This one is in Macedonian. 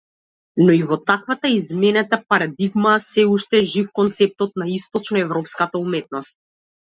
Но и во таквата изменета парадигма, сѐ уште е жив концептот на источноеврпската уметност.